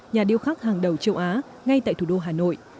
nhà điêu khắc hàng đầu châu á ngay tại thủ đô hà nội